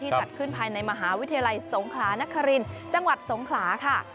จัดขึ้นภายในมหาวิทยาลัยสงขลานครินจังหวัดสงขลาค่ะ